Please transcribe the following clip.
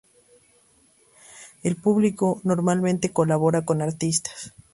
El público normalmente colabora con los artistas.